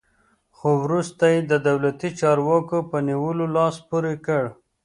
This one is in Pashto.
خو وروسته یې د دولتي چارواکو په نیولو لاس پورې کړ.